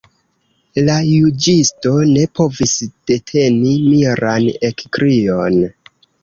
La juĝisto ne povis deteni miran ekkrion.